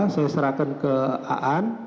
saya serahkan ke aan